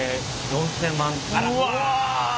４，０００万。